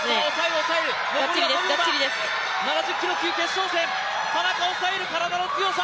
７０キロ級決勝戦、田中を抑える体の強さ。